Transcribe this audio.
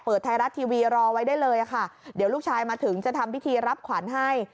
ไทยรัฐทีวีรอไว้ได้เลยค่ะเดี๋ยวลูกชายมาถึงจะทำพิธีรับขวัญให้